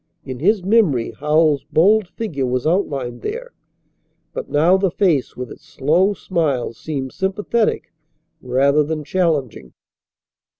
In his memory Howells's bold figure was outlined there, but now the face with its slow smile seemed sympathetic rather than challenging.